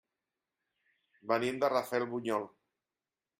Venim de Rafelbunyol.